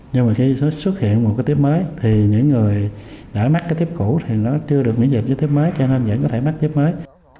nhưng mà khi nó xuất hiện một cái tuyếp mới thì những người đã mắc cái tuyếp cũ thì nó chưa được miễn dịch với tuyếp mới cho nên vẫn có thể mắc tuyếp mới